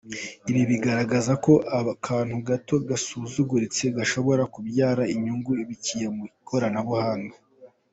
Ibi bigaragaza ko akantu gato gasuzuguritse gashobora kubyara inyungu biciye mu ikoranabuhanga.